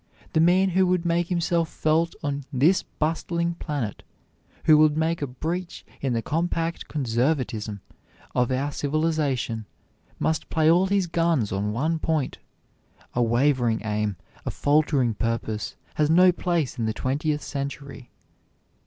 The man who would make himself felt on this bustling planet, who would make a breach in the compact conservatism of our civilization, must play all his guns on one point. A wavering aim, a faltering purpose, has no place in the twentieth century.